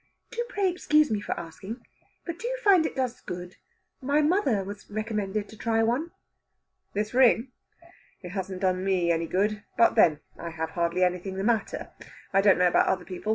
"Do pray excuse me for asking, but do you find it does good? My mother was recommended to try one." "This ring? It hasn't done me any good. But then, I have hardly anything the matter. I don't know about other people.